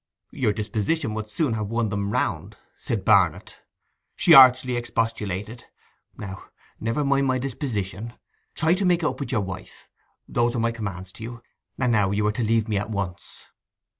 'Your disposition would soon have won them round,' said Barnet. She archly expostulated: 'Now, never mind my disposition; try to make it up with your wife! Those are my commands to you. And now you are to leave me at once.